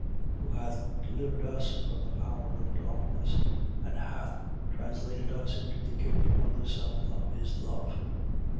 Who hath delivered us from the power of darkness and hath translated us into the kingdom of the Son of his love, 1:14.